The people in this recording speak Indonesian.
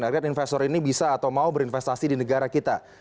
agar investor ini bisa atau mau berinvestasi di negara kita